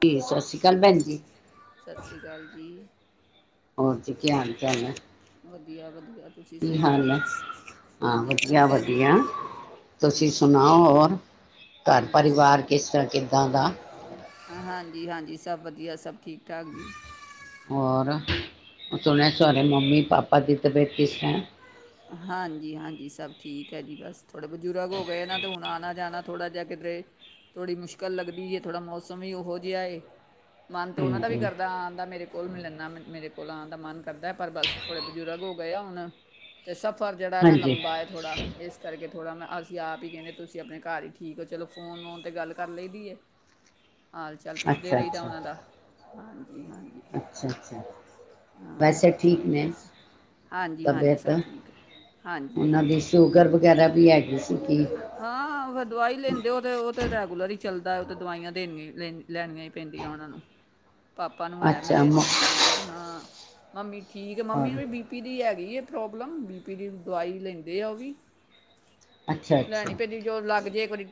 ਤੇੀ ਸਤਿ ਸ਼੍ਰੀ ਅਕਾਲ ਚੱਲ ਭੈਣ ਜੀ ਸਤਿ ਸ਼੍ਰੀ ਅਕਾਲ ਜੀ ਹੋਰ ਚ ਕੀ ਹਾਲ ਚਾਲ ਹੈ [unintelligible] ਕੀ ਸੁਣਾਓ ਹਾਲ ਹੈ ਹਾਂ ਹਾਂਜੀ ਵਧੀਆ ਠੀਕ ਹੈ ਜੀ ਵਧੀਆ ਠੀ ਤੁਸੀਂ ਹਾਂਜੀ ਸੁਣਾਓ ਹੋਰ ਘਰ ਹਾਂਜੀ ਸਭ ਪਰਿਵਾਰ ਕਿਸ ਤਰ੍ਹਾਂ ਕਿੱਦਾਂ ਦਾ ਹਾਂ ਹਾਂਜੀ ਹਾਂਜੀ ਸਭ ਵਧੀਆ ਸਭ ਠੀਕ ਠਾਕ ਵੀ ਰ ਸੁਣਿਆ ਸਾਰੇ ਮੰਮੀ ਪਾਪਾ ਦੀ ਤਬੀਅਤ ਕਿਸ ਤਰ੍ਹਾਂ ਹਾਂਜੀ ਹਾਂਜੀ ਸਭ ਠੀਕ ਹੈ ਜੀ ਬਸ ਥੋੜੇ ਬਜ਼ੁਰਗ ਹੋ ਗਏ ਨਾ ਹੁਣ ਆਣਾ ਜਾਣਾ ਥੋੜ੍ਹਾ ਜਿਹਾ ਕਿਧਰੇ ਥੋੜੀ ਮੁਸ਼ਕਿਲ ਲੱਗਦੀ ਹੈ ਥੋੜਾ ਮੌਸਮ ਹੀ ਉਹੋ ਜਿਹਾ ਹੈ ਮਨ ਤੇ ਉਹਨਾਂ ਦਾ ਵੀ ਹਾਂਜੀ ਕਰਦਾ ਆਂਦਾ ਮੇਰੇ ਕੋਲ ਮਿਲਣਦਾ ਮੇਰੇ ਕੋਲ ਆਉਣ ਦਾ ਮਨ ਕਰਦਾ ਪਰ ਬਸ ਥੋੜੇ ਬਜ਼ੁਰਗ ਹੋ ਗਏ ਆ ਹੁਣ ਅਤੇ ਸਫ਼ਰ ਜਿਹੜਾ ਹੈ ਨਾ ਹਾਂਜੀ ਲੰਬਾ ਹੈ ਥੋੜ੍ਹਾ ਇਸ ਕਰਕੇ ਥੋੜ੍ਹਾ ਮੈਂ ਅਸੀਂ ਆਪ ਹੀ ਕਹਿੰਦੇ ਤੁਸੀਂ ਆਪਣੇ ਘਰ ਹੀ ਠੀਕ ਹੋ ਚਲੋ ਫੋਨ ਫੋਨ ਤੇ ਗੱਲ ਕਰ ਲਈ ਦੀ ਹੈ ਹਾਲ ਚਾਲ ਪੁੱਛਦੇ ਅੱਛਾ ਰਹੀਦਾ ਅੱਛਾ ਉਹਨਾਂ ਦਾ ਹਾਂਜੀ ਹਾਂਜੀ ਅੱਛਾ ਅੱਛਾ ਹਾਂ ਵੈਸੇ ਠੀਕ ਹੈ ਨੇ ਹਾਂਜੀ ਹਾਂਜੀ ਤਬੀਅਤ ਸਭ ਠੀਕ ਹੈ ਹਾਂਜੀ ਉਹਨਾਂ ਦੀ ਹਾਂਜੀ ਸ਼ੂਗਰ ਵਗੈਰਾ ਵੀ ਹੈਗੀ ਸੀ ਕਿ ਹਾਂ ਫਿਰ ਦਵਾਈ ਲੈਂਦੇ ਹੋ ਤੇ ਉਹ ਤੇ ਰੈਗੂਲਰ ਹੀ ਚੱਲਦਾ ਉਹ ਤੇ ਦਵਾਈਆਂ ਦੇਣੀਆਂ ਹੀ ਲੈ ਲੈਣੀਆਂ ਹੀ ਪੈਂਦੀਆਂ ਉਹਨਾਂ ਨੂੰ ਪਾਪਾ ਨੂੰ ਹੈ ਅੱਛਾ ਮੇਰੇ ਮ ਨੂੰ ਸ਼ੂਗਰ ਹਾਂ ਮੰਮੀ ਠੀਕ ਹੈ ਮੰਮੀ ਨੂੰ ਔਰ ਵੀ ਬੀ ਪੀ ਦੀ ਹੈਗੀ ਪ੍ਰੋਬਲਮ ਬਿ ਪੀ ਦੀਡ ਦਵਾਈ ਲੈਂਦੇ ਆ ਉਹ ਵੀ ਅੱਛਾ ਅੱਛਾ ਲੈਣੀ ਪੈਂਦੀ ਜੋ ਲੱਗ ਜੇ ਇਕ ਵਾਰੀ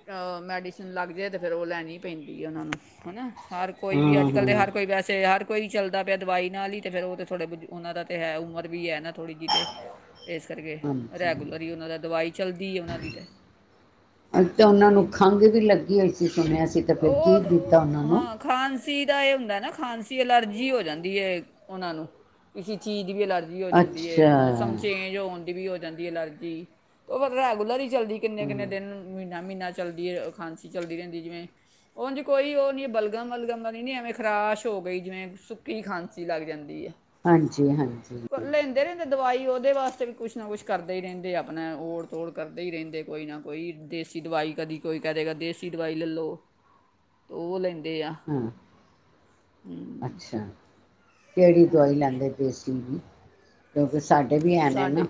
ਮੈਡੀਸਨ ਲੱਗ ਜਾਵੇ ਤਾਂ ਫਿਰ ਉਹ ਲੈਣੀ ਪੈਂਦੀ ਹੈ ਉਹਨਾਂ ਨੂੰ ਹੈਨਾ ਹਰ ਕੋਈ ਵੀ ਅੱਜ ਹਾਂ ਕੱਲ੍ਹ ਦੇ ਹਾਂ ਹਰ ਕੋਈ ਵੈਸੇ ਯਾਰ ਕੋਈ ਚੱਲਦਾ ਪਿਆ ਦਵਾਈ ਨਾਲ ਹੀ ਤੇ ਫ਼ਿਰ ਉਹਨਾ ਦਾ ਤੇ ਹੈ ਉਮਰ ਵੀ ਹੈ ਨਾ ਥੋੜ੍ਹੀ ਜਿਹੀ ਤੇ ਇਸ ਕਰਕੇ ਹਾਂਜੀ ਰੈਗੂਲਰ ਹੀ ਉਹਨਾਂ ਦਾ ਦਵਾਈ ਚੱਲਦੀ ਉਹਨਾਂ ਦੀ ਤੇ ਅੱਜ ਤਾ ੳਹਨਾਂ ਨੂੰ ਖੰਘ ਵੀ ਲੱਗੀ [unintelligible] ਸੁਣਿਆ ਸੀ ਤੇ ਫਿਰ ਕੀ ਉਹ ਦਿੱਤਾ ਉਹਨਾਂ ਨੂੰ ਹਾਂ ਖਾਂਸੀ ਦਾ ਇਹ ਹੁੰਦਾ ਨਾ ਖਾਂਸੀ ਅਲਰਜੀ ਹੋ ਜਾਂਦੀ ਹੈ ਉਹਨਾਂ ਨੂੰ ਕਿਸੇ ਚੀਜ਼ ਦੀ ਵੀ ਐਲਰਜੀ ਹੋ ਜਾਂਦੀ ਹੈ ਅੱਛਾ ਮੌਸਮ ਚੇਂਜ ਹੋਣ ਦੀ ਵੀ ਜਾਂਦੀ ਐਲਰਜੀ ਉਹ ਰੈਗੂਲਰ ਹੀ ਜਲਦੀ ਕਿੰੇ ਹਾਂ ਕਿੰਨੇ ਦਿਨ ਮਹੀਨਾ ਮਹੀਨਾ ਚੱਲਦੀ ਖਾਂਸੀ ਚੱਲਦੀ ਰਹਿੰਦੀ ਜਿਵੇਂ ਉਹਝ ਕੋਈ ਉਹ ਨੀ ਬਲਗਮ ਵਲਗਮ ਨਹੀਂ ਨੀ ਐਵੇਂ ਖਰਾਸ਼ ਹੋ ਗਈ ਜਿਵੇਂ ਸੁੱਕੀ ਖਾਂਸੀ ਲੱਗ ਜਾਂਦੀ ਹੈ ਹਾਂਜੀ ਜੀ ਹਾਂਜੀ ਪਰ ਲੈਂਦੇ ਰਹਿੰਦੇ ਦਵਾਈ ਉਹਦੇ ਵਾਸਤੇ ਵੀ ਕੁਛ ਨਾ ਕੁਛ ਕਰਦੇ ਹੀ ਰਹਿੰਦੇ ਆਪਣੇ ੜ ਤੋੜ ਕਰਦੇ ਹੀ ਰਹਿੰਦੇ ਕੋਈ ਨਾ ਕੋਈ ਦੇਸੀ ਦਵਾਈ ਕਦੀ ਕੋਈ ਕਦੇ ਕਦੇ ਦੇਸੀ ਦਵਾਈ ਲੈ ਲਓ ਉਹ ਲੈਂਦੇ ਆ ਹਾਂ ਅੱਛਾ ਕਿਹੜੀ ਦਵਾਈ ਹਾਂਜੀ। ਲੈਂਦੇ ਦੇਸੀ ਦੀ ਕਿਉਂਕਿ ਸਾਡੇ ਵੀ ਹੈ ਨੇ ਨਾ ਸਾਡੇ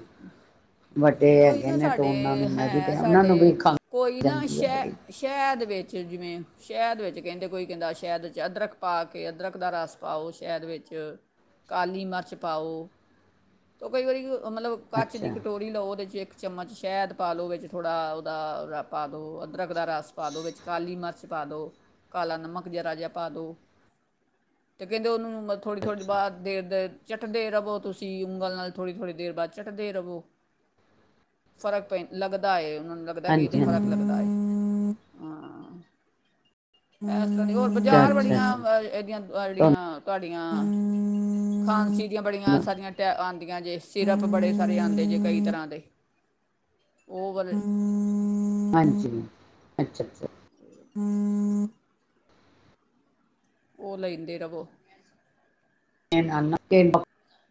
ਵੱਡੇ ਕੋਈ ਹੈਗੇ ਨਾ ਨੇ ਤੇ ਸਾਡੇ ਉਹਨਾਂ ਨੂੰ ਮੈਂ ਵੀ ਹੈ ਲਿਆ ਉਹਨਾਂ ਨੂੰ ਵੀ ਸਾਡੇ ਖੰਘ ਕੋਈ ਨਾ ਜਾਂਦੀ ਹੈ ਬੜੀ ਸ਼ਹਿ ਸ਼ਹਿਦ ਵਿੱਚ ਜਿਵੇਂ ਸ਼ਹਿਦ ਵਿੱਚ ਕਹਿੰਦੇ ਕੋਈ ਕਹਿੰਦਾ ਸ਼ਹਿਦ ਵਿੱਚ ਅਦਰਕ ਪਾ ਕੇ ਅਦਰਕ ਦਾ ਰਸ ਪਾਓ ਸ਼ਹਿਦ ਵਿੱਚ ਕਾਲੀ ਮਿਰਚ ਪਾਓ ਉਹ ਕਈ ਵਾਰੀ ਉਹ ਮਤਲਬ ਕੱਚ ਦੀ ਅੱਛਾ ਕਟੋਰੀ ਲਓ ਉਹਦੇ 'ਚ ਇੱਕ ਚਮਚ ਸ਼ਹਿਦ ਪਾ ਲਉ ਵਿੱਚ ਥੋੜ੍ਹਾ ਉਹਦਾਦਾ ਪਾ ਦਿਉ ਰੱਖਦਾ ਰਸ ਪਾਦ ਉਹ ਵਿੱਚ ਕਾਲੀ ਮਿਰਚ ਪਾ ਦੋ ਕਾਲਾ ਨਮਕ ਜਰਾ ਜਿਹਾ ਪਾ ਦੋ ਤੇ ਕਹਿੰਦੇ ਉਹਨੂੰ ਮਤ ਥੋੜ੍ਹੀ ਥੋੜ੍ਹੀ ਬਹੁਤ ਦੇ ਚਟਦੇ ਰਵੋ ਤੁਸੀਂ ਉੂੰਗਲ ਨਾਲ ਥੋੜ੍ਹੀ ਥੋੜ੍ਹੀ ਦੇਰ ਬਾਅਦ ਚਟਦੇ ਰਵੋ ਫਰਕ ਪੈਂ ਲੱਗਦਾ [unintelligible] ਲੱਗਦਾ ਕੀ ਹਾਂਜੀ ਦਿ ਫਕ ਹਾਂਜੀ ਲੱਗਦਾ ਹਾਂ ਹਮ ਹੋਰ ਅੱਛਾ ਬਾਜ਼ਾਰ ਅੱਛਾ ਬੜੀਆਂ ਅੱਛਾ ਅੱਛਾ ਇਹਦੀਆਂ ਤੁਹਾਨੂੰ ਜਿਹੜੀਆਂ ਤੁ ਖਾਂਸੀ ਆਂ ਬੜੀਆਂ ਸਾਰੀਆਂ ਆਉਂਦੀਆਂ ਜੇ ਸਿਰਫ ਬੜੇ ਸਾਰੇ ਆਉਂਦੇ ਜੇ ਕਈ ਤਰ੍ਹਾਂ ਦੇ ਉਹ ਗੱਲ ਹਾਂਜੀ ਅੱਛਾ ਅੱਛਾ [unintelligible] ਉਹ ਲੈਂਦੇ ਰਵੋ [unintelligible]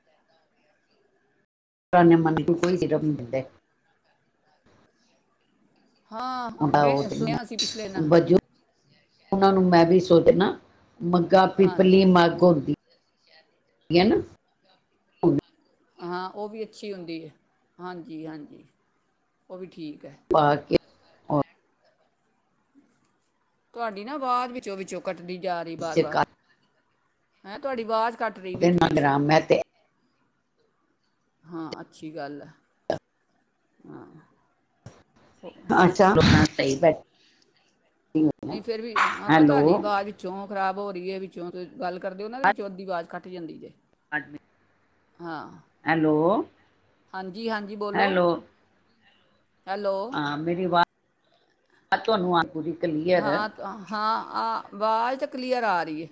ਪੁਰਾਣੇ ਮਨ ਨੂੰ ਕੋਈ ਜ਼ਿਰਮ ਨਹੀਂ ਦਿੰਦਾ ਉਹਦਾ ਹਾਂ [unintelligible] ਉਨ੍ਹਾਂ ਨੂੰ ਮੈਂ ਵੀ ਸੋ ਦਦਾ ਮੱਗਾਂ ਹਾਂਜੀ ਪੀਪਲੀ ਮੱਗ ਹੁੰਦੀ ਠੀ ਹੈ ਨਾ ਹਾਂ ਉਹ ਵੀ ਅੱਛੀ ਹੁੰਦੀ ਹੈ ਹਾਂਜੀ ਹਾਂਜੀ ਉਹ ਵੀ ਠੀਕ ਹੈ ਬਾਕੀ ਤੁਹਾਡੀ ਨਾ ਬਾਅਦ ਵਿੱਚੋਂ ਵਿੱਚੋਂ ਕੱਟਦੀ ਤਰੀ ਬਾਰ ਵਿੱਚ ਬਾਰ ਹੈਂ ਤੁਹਾਡੀ ਆਵਾਜ਼ ਕੱਟ ਰਹੀ ਉਹਦੇ ਨ ਵਿੱਚ ਵਿੱਚ ਰਮ ਹੈੈਂ ਤੇ ਹਾਂ ਅੱਛੀ ਗੱਲ ਹੈ ਹਾਂ ਅੱਛਾ ਸਹੀ [unintelligible] ਹਾਂ ਨਹੀਂ ਫੇਰ ਵੀ ਹਾਂ ਹੈਲੋ ਪਤਾ ਨੀ ਬਾਅਦ ਵਿੱਚੋਂ ਖਰਾਬ ਹੋ ਰਹੀ ਹੈ ਵਿੱਚੋਂ ਗੱਲ ਕਰਦੇ ਹੋ ਉਹਨਾਂ ਦੇ ਵਿੱਚੋਂ ਅੱਧੀ ਆਵਾਜ਼ ਖੱਟ ਜਾਂਦੀ ਜੇ ਹਾਂ ਹੈਲੋ ਹਾਂਜੀ ਹਾਂਜੀ ਬੋਲੋ ਹੈਲੋ ਹੈਲੋ ਹਾਂ ਮੇਰੀਜ਼ ਤੁਹਾਨੂੰ ਆੂਰੀ ਹਾਂ ਹਾਂ ਆ ਆਵਾਜ਼ ਤਾਂ ਕਲੀਅਰ ਆ ਰਹੀ ਹੈ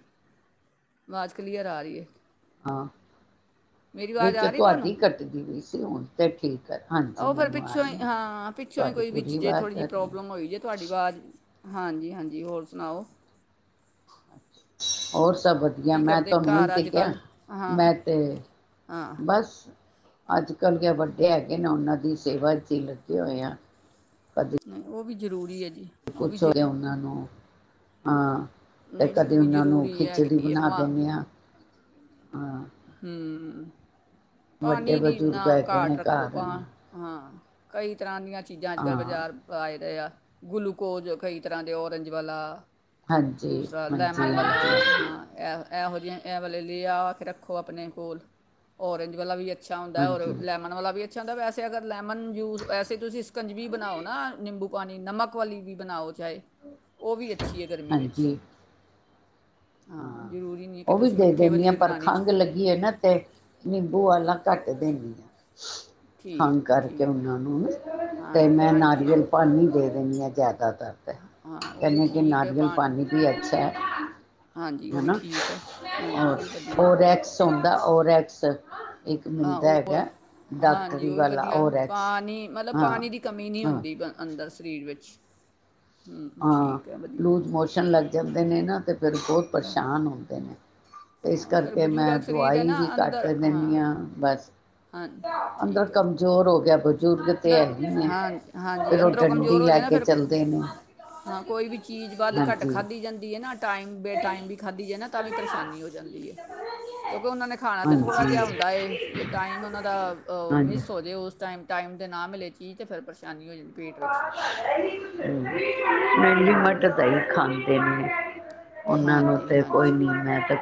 ਆਵਾਜ਼ ਕਲੀਅਰ ਆ ਰਹੀ ਹੈ ਆਾਂ ਮੇਰੀ ਆਵਾਜ਼ ਵਿੱਚ ਆ ਰਹੀ ਤੁਹਾਨੂੰ ਤੁਹਾਡੀ ਕੱਟਦੀ ਹੋਈ ਸੀ ਹੁਣ ਤੇ ਠੀਕ ਹੈ ਹਾਂਜੀ ਉਹ ਫਿਰ ਮੈਨੂੰ ਆ ਪਿੱਛੋਂ ਰਹੀ ਹੀ ਆ ਹਾਂ ਪਿੱਛੋਂ ਹੀ ਤੁਹਾਡੀ ਕੋਈ ਵਿੱਚ ਪੂਰੀ ਜੇ ਥੋੜੀ ਆਵਾਜ਼ ਆ ਜਿਹੀ ਰਹੀ ਹੈ ਪ੍ਰੋਬਲਮ ਹੋਈ ਜੇ ਤੁਹਾਡੀ ਆਵਾਜ਼ ਹਾਂਜੀ ਹਾਂਜੀ ਹੋਰ ਸੁਣਾਓ ਹੋਰ ਸਭ ਵਧੀਆ ਕੀ ਮੈਂ ਕਰਦੇ ਤੁਹਾਨੂੰ ਇਹੀ ਘਰ ਤੇ ਅੱਜ ਕੱਲ ਕਿਹਾ ਹਾਂ ਮੈਂ ਤੇ ਹਾਂ ਬਸ ਅੱਜ ਕੱਲ੍ਹ ਗ ਵੱਡੇ ਹੈਗੇ ਨਾ ਉਹਨਾਂ ਦੀ ਸੇਵਾ ਵਿੱਚ ਹੀ ਲੱਗੇ ਹੋਏ ਹਨ ਨਹੀਂ ਉਹ ਵੀ ਜ਼ਰੂਰੀ ਹੈ ਜੀ ਉਹ ਵੀ ਕੁਛ ਹੋ ਗਿਆ ਜ਼ਰੂਰ ਉਹਨਾਂ ਨੂੰ ਹਾਂ ਫ ਨਹੀਂ ਨਹੀਂ ਉਹ ਕਦੇ ਵੀ ਉਹਨਾਂ ਨੂੰ ਜ਼ਰੂਰੀ ਖਿਚੜੀ ਬਣਾ ਦਿੰਦੇ ਹਾਂ ਹਾਂ ਹਮ ਵੱਡੇ ਪਾਣੀ ਦੀ ਬਜ਼ੁਰਗ ਨਾ ਹੈਗੇ ਘਾਟ ਨੇ ਰੱਖੋ ਘਰ ਭਾ ਹਾਂ ਕਈ ਤਰ੍ਹਾਂ ਦੀਆਂ ਚੀਜ਼ਾਂ ਅੱਜ ਕੱਲ੍ਹ ਹਾਂ ਬਾਜ਼ਾਰ ਆਏ ਰਹੇ ਆ ਗਲੂਕੋਜ ਕਈ ਤਰ੍ਹਾਂ ਦੇ ਔਰੰਜ ਵਾਲਾ ਹਾਂਜੀ ਦੂਸਰਾ ਲੈਮਨ ਹਾਂਜੀ ਵਲਾ ਹਾਂਜੀ ਹਾਂ ਇਹੋ ਜਿਹੀਆਂ ਇਹ ਵਾਲ ਲਈ ਆ ਫਿਰ ਖੋ ਆਪਣੇ ਕੋਲ ਔਰਂਜ ਵਾਲਾ ਵੀ ਅੱਛਾ ਹੁੰਦਾ ਔਰ ਹਾਂਜੀ ਲੈਮਨ ਵਾਲਾ ਵੀ ਅੱਛਾੁੰਦਾ ਵੈਸੇ ਅਗਰ ਲੈਮਨ ਜੂਸ ਵੈਸੇ ਤੁਸੀਂ ਕੰਜਵੀ ਬਣਾਓ ਨਾ ਨਿੰਬੂ ਪਾਣੀ ਨਮਕ ਵਾਲੀ ਵੀ ਬਣਾਓ ਚੇ ਉਹ ਵੀ ਅੱਛੀ ਹੈ ਗਰਮੀ ਵਿੱਚ ਹਾਂਜੀ ਹਾਂ ਜ਼ਰੂਰੀ ਨਹੀਂੀ ਹੈ ਕਿ ਤੁਸੀਂ ਮਿੱਠੇ ਵਾਲੀ ਬਣਾਉਣੀ ਚ ਗੀ ਨਾ ਤੇ ਨਿੰਬੂ ਆਾ ਕੱਟ ਦੇਣ ਆ ਠੀਕ ਖੰਘ ਆ ਕਰਕੇ ਠੀਕ ਹੈ ਉਹਨਾਂ ਨੂੰ ਤੇ ਹਾਂਜੀ ਮੈਂ ਹਾਂਜੀ ਨਾਰੀਅਲ ਹਾਂਜੀ ਪਾਣੀੀ ਦੇ ਦੇਣੀ ਆ ਜ਼ਿਆਦਾਤਰ ਕ ਹਾਂ ਉਹ ਵੀ ਕਿ ਠੀਕ ਹੈ ਨਾਰੀਅਲ ਪਾਣੀ ਵੀ ਅੱਛਾ ਹੈ ਹ ਹਾਂਜੀ ਉਹ ਵੀ ਠੀਕ ਹੈ ਹਾਂਜੀ ਉਹ ਵੀ ਵਧੀਆ ਚੌਦਾ ਓਰੈਕਸ ਇੱਕ ਹਾਂ ਮਿਲਦਾ ਉਹ ਹੈਗਾ ਹਾਂਜੀ ਡਾਕਟਰੀ ਉਹ ਵੀ ਵਾਲਾ ਵਧੀਆ ਓਰੈਕਸ ਪਾਣੀ ਮਤਲਬ ਹਾਂ ਪਾਣੀ ਦੀ ਕਮੀ ਨਹੀਂ ਹਾਂ ਹੁੰਦੀ ਅੰਦਰ ਸਰੀਰ ਵਿੱਚ ਹੂੰ ਹਾਂ ਠੀਕ ਹੈ ਵਧੀਆ ਲੂਜ਼ ਮੋਸ਼ਨ ਲੱਗ ਜਾਂਦੇ ਨੇ ਨਾ ਤੇ ਫਿਰ ਬਹੁਤ ਪਰੇਸ਼ਾਨ ਹੁੰਦੇ ਨੇ ਅਤੇ ਇਸ ਹਾਂ ਫਿਰ ਕਰਕੇ ਮੈਂ ਬਜ਼ੁਰਗ ਸਰੀਰ ਹੈ ਦਵਾਈ ਨਾ ਵੀ ਘੱਟ ਅੰਦਰ ਦਿੰਦੀ ਹਾਂ ਬਸ ਹਾਂਜੀ ਅੰਦਰ ਠੀਕ ਹੈੀ [unintelligible] ਬਜ਼ੁਰਗ ਤੇ ਹੈ ਹੀ ਹੈ ਹਾਂਜੀ ਫਿਰ ਉਹ ਅੰਦਰੋਂ ਡੰਡੀ ਕਮਜ਼ੋਰ ਹੋ ਲੈ ਜਾਏ ਨਾ ਕੇ ਫਿਰ ਕੋ- ਚੱਲਦੇ ਨੇ ਹਾਂ ਕੋਈ ਵੀ ਚੀਜ਼ ਵੱਧ ਘੱਟ ਹਾਂਜੀ ਖਾਧੀ ਜਾਂਦੀ ਹੈ ਨਾ ਟਾਈਮ ਬੇ ਟਾਈਮ ਵੀ ਖਾਦੀ ਹੈਏ ਨਾ ਤਾਂ ਵੀ ਪਰੇਸ਼ਾਨੀ ਹੋ ਜਾਂਦੀ ਹੈ ਕਿਉਂਕਿ ਉਹਨਾਂ ਨੇ ਖਾਣਾ ਤਾਂ ਥੋੜ੍ਹਾ ਜਿਹਾ ਹਾਂਜੀ ਹੁੰਦਾ ਏ ਜੇ ਟਾਈਮ ਉਹਨਾਂ ਦਾ ਹਾਂਜੀ ਮਿਸ ਹੋ ਜਵੇ ਉਸ ਟਮ ਟਾਈਮ ਦੇ ਨਾ ਮਿਲੇ ਚੀਜ਼ ਤੇ ਫਿਰ ਪਰੇਸ਼ਾਨੀ ਹੋ ਜਾਂਦੀ ਪੇਟ ਵਿੱਚ ਮਹਲੀ ਮਟ ਤਾਂ ਹੀ ਖਾਂਦੇ ਨੇ ਉਹਨਾਂ ਨੂੰ ਹਾਂਜੀ ਤੇ ਹਾਂਜੀ ਕੋਈ ਨੀ ਮੈਂ ਤੇ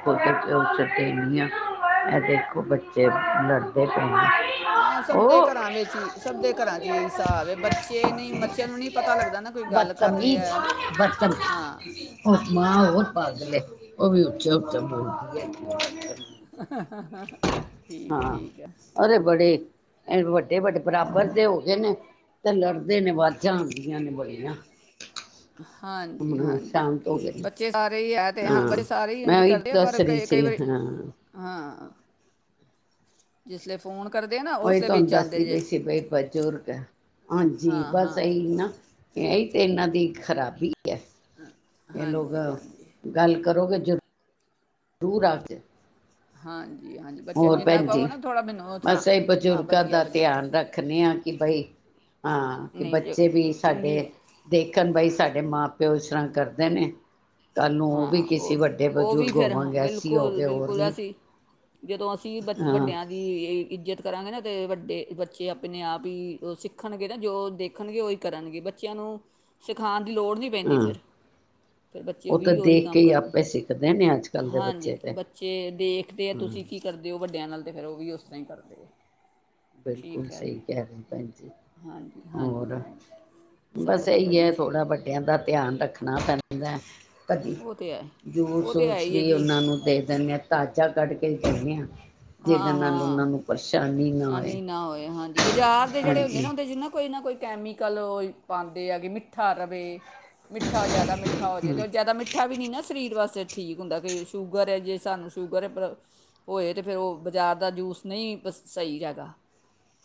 ਦੇ ਨਹੀਂ ਆ ਦੇਖੋ ਬੱਚੇ ਲੜਦੇ ਪਏ ਨੇ ਹਾਂ ਸਭ ਦੇ ਉਹ ਘਰਾਂ ਵਿੱਚ ਹੀ ਸਭ ਦੇ ਘਰਾਂ ਚ ਹੀ ਹਿਸਾਬ ਬੱਚੇ ਨਹੀਂ ਬੱਚਿਆਂ ਨੂੰ ਨਹੀਂੀ ਪਤਾ ਲੱਗਦਾ ਨਾ ਕੋਈ ਗੱਲ ਕਰ ਬਦਤਮੀਜ਼ ਰਿਹਾ ਹਾਂ ਬਦਲੇ ਉਹ ਵੀ ਉੱਚਾ ਉੱਚੇ ਬੋਲਦੀ [unintelligible] ਹਾਂ ਠੀਕ ਹੈ ਅਰੇ ਬੜੇ ਵੱਡੇ ਵੱਡੇ ਬਰਾਬਰ ਤੇ ਹੋ ਗਏ ਨੇ ਤੇ ਲੜਦੇ ਨੇ ਵੱਝਾਂ ਆਉਂਦੀਆਂ ਨੇ ਬੜੀਆਂ ਹਾਂਜੀ ਹੁਣ ਹਾਂਜੀ ਸ਼ਾਂਤ ਹੋ ਗਏ ਨੇ ਬੱਚੇ ਸਾਰੇ ਹੀ ਤੇ ਹਾਂ ਬੱਚੇ ਸਾਰੇ ਹੀ ਮੈਂ ਇੰਝ ਉਹੀ ਕਰਦੇ ਆ ਦੱਸ ਪਰ ਰਹੀ ਕਈ ਕਈ ਸੀ ਵਾਰੀ ਹਾਂ [unintelligible] ਉਹੀ ਉਸਲੇ ਤੁਹਾਨੂੰ ਵਿੱਚ ਆਉਂਦੇ ਦੱਸਦੀ ਜੇ ਪਈ ਸੀ ਬ ਬਜ਼ੁਰਗ ਹੈ ਹਾਂਜੀ ਹਾਂ ਬਸ ਹਾਂ ਇਹੀ ਨਾ ਹਾਂ, ਇਹੀ ਤੇ ਇਨਾ ਦੇ ਖਰਾਬੀ ਹੈ ਹਮ ਇਹ ਲੋਕ ਗੱਲ ਕਰੋਗੇ ਜ਼ਰੂਰ ਜ਼ਰੂਰੂਰ ਆਜ ਹਾਂ ਹੋਰ ਭੈਣ ਜ ਥਾਂ ਬਸ ਇਹ ਹਾਂ ਬਜ਼ੁਰਗਾਂ ਵਧੀਆ ਦਾ ਵਧੀਆ ਧਿਆਨ ਰੱਖਦੇ ਹਾਂ ਕਿ ਬਈ ਹਾਂ ਕਿ ਨਹੀਂ ਜੇ ਬੱਚੇ ਵੀ ਚੰਗੀ ਸਾਡੇ ਦੇਖਣ ਬਾਈ ਸਾਡੇ ਮਾਂ ਪਿ ਪਿਓ ਸਰੰਗ ਕਰਦੇ ਨੇ ਤੁਹਾਨੂੰ ਉਹ ਵੀ ਹਾਂ ਕਿਸੇ ਵੱਡੇ ਉਹ ਵੀ ਬਜ਼ੁਰਗ ਫਿਰ ਹਾਂ, ਹੋਵਾਂਗੇੈਸੀ ਹੋ ਬਿਲਕੁਲ ਕੇ ਹੋਰ ਬਿਲਕੁਲ ਵੀ ਅਸੀਂ ਜਦੋਂ ਅਸੀਂ ਬ ਹਾਂ ਵੱਡਿਆਂ ਦੀ ਇੱਜਤ ਕਰਾਂਗੇ ਨਾ ਤੇ ਵੱਡੇ ਬੱਚੇ ਆਪਣੇ ਆਪ ਹੀ ਉਹ ਸਿੱਖਣਗੇ ਨਾ ਜੋ ਦੇਖਣਗੇ ਉਹੀ ਕਰਨਗੇ ਬੱਚਿਆਂ ਨੂੰ ਸਿਖਾਉਣ ਦੀ ਲੋੜ ਨਹੀਂ ਪੈਂਦੀ ਹਾਂ ਫਿਰਿਰ ਬੱਚੇ ਨੂੰ ਬੱਚੇ ਉਹ ਤਾਂ ਵੀ ਉਹੀ ਦੇਖ ਕੇ ਕੰਮ ਹੀ ਕਰਦੇ ਆਪੇ ਸਿੱਖਦੇ ਨੇ ਅੱਜ ਕੱਲ੍ਹ ਦੇ ਹਾਂਜੀ ਬੱਚੇ ਤੇ ਬੱਚੇ ਦੇਖਦੇ ਆ ਹਾਂ ਤੁਸੀਂ ਕੀ ਕਰਦੇ ਹੋ ਵੱਡਿਆਂ ਨਾਲ ਤਾਂ ਫਿਰ ਉਹ ਵੀ ਉਸ ਅਸੀਂ ਕਰਦੇ ਬਿਲਕੁਲ ਠੀਕ ਹੈ ਰੇ ਸਹੀ ਕਹਿ ਰਹੇ ਭੈਣ ਜ ਹਾਂਜੀ ਹਾਂਜੀ ਹੋਰ ਹਾਂਜੀ ਸਭ ਬਸ ਵਧੀਆ ਇਹੀ ਹੈ ਜੀ ਥੋੜਾ ਵੱਡਿਆਂ ਦਾ ਧਿਆਨ ਰੱਖਣਾ ਪੈਣਾ [unintelligible] ਕਦੀ ਉਹ ਤੇ ਹੈ ਉਹ ਤੇ ਹੈ ਜੂਸੂਸ ਹੀ ਹੈ ਵੀ ਜੀ ਉਹਨਾਂ ਨੂੰ ਦੇ ਦਿੰਦੇ ਹਾਂ ਤਾਜ਼ਾ ਕਢ ਕ ਚੱਲਦੀ ਹ ਜਿਹਦੇ ਹਾਂ ਨਾਲ ਹਾਂ ਉਹਨਾਂ ਨੂੰ ਪਰੇਸ਼ਾਨੀ ਨਾ ਹੋਏ ਆਨੀ ਹੋਏ ਹਾਂਜੀ ਬਾਜ਼ਾਰ ਦੇ ਜਿਹੜੇ ਹੁੰਦੇ ਹਾਂਜੀ ਨਾ ਹਦੇ ਜਿੰ ਨਾ ਕੋਈ ਕੋਈ ਕੈਮੀਕਲ ਪਾਉਂਦੇ ਆਗੇ ਮਿੱਠਾ ਰਵੇ ਮਿੱਠਾ ਜਿਆਦਾ ਮ ਮਿੱਠਾ ਹੋ ਜਾਏ ਹਾਂ ਤੇ ਜਿਆਦਾ ਮਿੱਠਾ ਵੀ ਨੀ ਨਾ ਸਰੀਰ ਵਾਸਤੇ [unintelligible] ਤੇ ਫੇਿਰ ਉਹ ਬਾਜ਼ਾਰ ਦਾ ਜੂਸ ਨਹੀਂ ਸਹੀ ਹੈਗਾ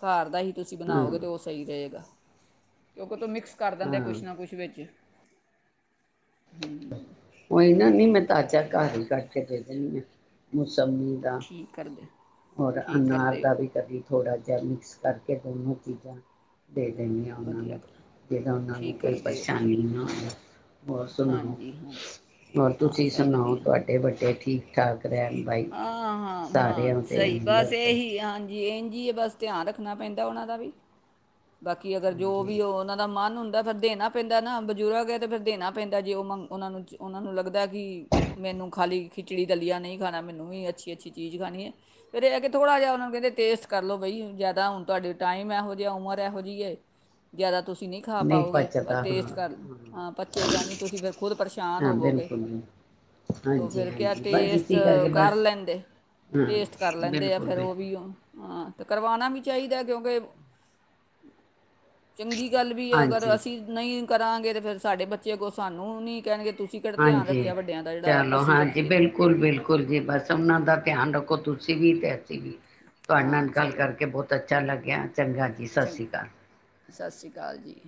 ਘਰ ਦਾ ਹੀ ਤੁਸੀਂ ਹਾਂ ਬਣਾਓਗੇ ਤੇ ਉਹ ਸਹੀ ਰਹੇਗਾ ਕਤ ਮਿਕਸ ਕਰ ਦਿੰਦੇ ਹਾਂ ਕੁਛ ਨਾ ਕੁਛ ਵਿੱਚ ਉਈ ਨਾ ਨਹੀਂ ਮੈਂ ਤਾਚਾ ਘਰ ਹੀ ਕੱਢ ਕੇ ਦੇ ਦੇਣੀ ਆ ਅੱਛਾ ਚਮੀ ਦਾ ਠੀਕ ਕਰਦੇ ਹੋਰ ਠੀਕ ਅਨਾਰ ਕਰਦੇ ਹੋ ਦਾ ਵੀ ਕਦੀ ਥੋੜਾ ਜ ਮਿਕਸ ਕਰਕੇ ਦੋਨੋ ਚੀਜ਼ਾਂ ਦੇ ਦਿੰਦੇ ਹਾਂ ਉਹਨਾਂ ਨੂੰ ਵਧੀਆ ਜਿਦ ਉਹਨਾਂ ਨੂੰ ਠੀਕ ਕੋਈ ਕਰਦੇ ਹੋ ਪਰੇਸ਼ਾਨੀ ਨਾ ਆਉਂਦਾ ਹੋਰ ਸੁਣਾਓ ਹਾਂਜੀ ਹਾਂਜੀ ਹੋਰ ਹਾਂ ਤੁਸੀਂ ਸਭ ਸੁਣਾਓ ਵਧੀਆ ਤੁਹਾਡੇ ਵੱਡੇ ਠੀਕ [unintelligible] ਬਾਈ ਹਾਂ ਹਾਂ ਸਾਰੇ ਹਾਂ ਸਹੀ ਬਸ ਇਹੀ ਹਾਂਜੀ ਇ ਕੀ ਹੈ ਬਸ ਧਿਆਨ ਰੱਖਣਾ ਪੈਂਦਾ ਉਹਨਾਂ ਦਾ ਵੀ ਬਾਕੀ ਅਗਰ ਜੋ ਵੀ ਹਾਂਜੀ ਹੋ ਉਹਨਾਂ ਦਾ ਮਨ ਹੁੰਦਾ ਫਿਰ ਦੇਣਾ ਪੈਂਦਾ ਨਾ ਬਜ਼ੁਰਗ ਹੈ ਤੇ ਫਿਰ ਦੇਣਾ ਪੈਂਦਾ ਜੇ ਉਹ ਮੰ ਉਹ ਨੂੰ ਉਹਨਾ ਨੂੰ ਲੱਗਦਾ ਕਿ ਮੈਨੂੰ ਖਾਲੀ ਖਿਚੜੀ ਦਲੀਆ ਨਹੀਂ ਖਾਣਾ ਮੈਨੂੰ [unintelligible] ਥੋਰਾਂ ਟੇਸਟ ਕਰਲੌ ਬਾਈ ਟਾਈਮ ਉਦਾ ਦਾ ਹੈ ਉਮਰ ਉਦਾ ਦੀ ਹੈ [unintelligible] ਤੁਸੀਂ ਨਹੀਂ ਖਾ ਪਾਓਗੇ ਪਰ ਟੇਸਟ ਕਰ ਹਾਂ ਪਰੱਚੇ ਕਰਨੀ ਤੁਸੀਂ ਫਿਰ ਖੁਦ ਪਰੇਸ਼ਾਨ ਹਾਂ ਹੋਵੋਗੇ ਬਿਲਕੁਲ ਜੀ ਤੋ ਹਾਂਜੀ ਫਿਰ ਕ ਹਾਂਜੀ ਬਸ ਟੇਸਟ ਇਸੀ ਕਰਕੇ ਕਰ ਬਸ ਲੈਂਦੇ ਟੇਸਟ ਕਰ ਹਾਂ ਲੈਂਦੇ ਆ ਬਿਲਕੁਲ ਫਿਰ ਉਹ ਬਿਲਕੁਲ ਵੀਾਂ ਅਤੇ ਕਰਵਾਉਣਾ ਵੀ ਚਾਹੀਦਾ ਕਿਉਂਕਿ ਚੰਗੀ ਗੱਲ ਵੀ ਅਗਰ ਹਾਂਜੀ ਅਸੀਂ ਨਹੀਂ ਕਰਾਂਗੇ ਤੇ ਫੇਿਰ ਸਾਡੇ ਬੱਚੇ ਕੋਲ ਸਾਨੂੰ ਨੀ ਕਹਿਣਗੇ ਤੁਸੀਂ ਕਿਹੜਾ ਧਿਆਨ ਹਾਂਜੀ ਰੱਖਿਆ ਵੱਡਿਆਂ ਦਾ ਜਿਹੜਾ ਚਲੋ ਅਸੀਂ ਹਾਂਜੀ ਰੱਖੀਏ ਬਿਲਕੁਲ ਬਿਲਕੁਲ ਜੀ ਬਸ ਉਹਨਾਂ ਦਾ ਧਿਆਨ ਰੱਖੋ ਤੁਸੀਂ ਵੀ ਅਤੇ ਅਸੀਂ ਵੀ ਤੁਹਾਡੇ ਹਾਂ ਨਾਲ ਗੱਲ ਚਲੋ ਕਰਕੇ ਬਹੁਤ ਅੱਛਾ ਲੱਗਿਆ ਚੰਗਾ ਜੀ ਸਤਿ ਸ੍ਰੀ ਚੰਗਾ ਅਕਾਲ ਸਤਿ ਸ਼੍ਰੀ ਅਕਾਲ ਜੀ